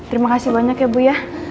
terima kasih banyak ya bu ya